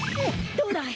どうだい？